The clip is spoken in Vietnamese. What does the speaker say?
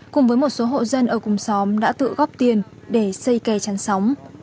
cùng với một số hộ dân ở cùng xóm đã tự góp tiền để xây kè chăn sóng